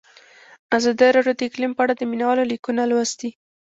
ازادي راډیو د اقلیم په اړه د مینه والو لیکونه لوستي.